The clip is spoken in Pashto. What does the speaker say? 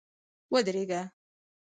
ودرېږه !